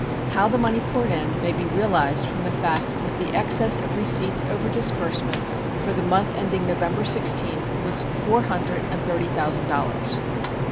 How the money poured in may be realized from the fact that the excess of receipts over disbursements for the month ending November 16th was four hundred and thirty thousand dollars.